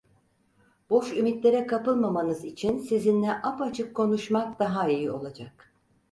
Boş ümitlere kapılmamanız için sizinle apaçık konuşmak daha iyi olacak…